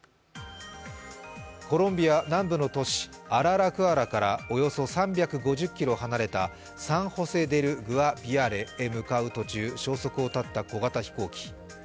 コロンビア南部の都市アララクアラからおよそ３５０ｋｍ離れたサン・ホセ・デル・グアビアレへ向かう途中、消息を絶った小型飛行機。